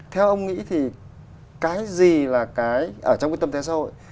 theo ông nghĩ thì cái gì là cái ở trong cái tâm thế xã hội